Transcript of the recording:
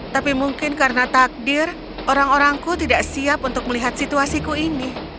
tapi mungkin karena takdir orang orangku tidak siap untuk melihat situasiku ini